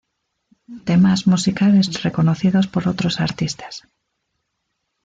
Temas musicales reconocidos por otros artistas.